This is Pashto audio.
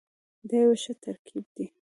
دا یو ښه ترکیب دی.